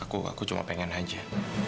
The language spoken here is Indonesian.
aku aku cuma pengen aja